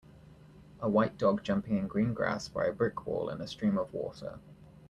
a white dog jumping in green grass by a brickwall and a stream of water